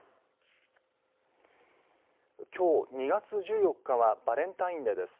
きょう２月１４日はバレンタインデーです。